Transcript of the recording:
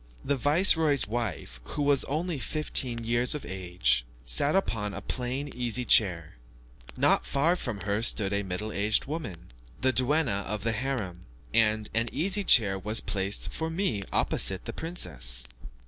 The viceroy's wife, who was only fifteen years of age, sat upon a plain easy chair, not far from her stood a middle aged woman, the duenna of the harem, and an easy chair was placed for me opposite the princess.